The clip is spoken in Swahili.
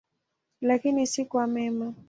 Lakini si kwa mema.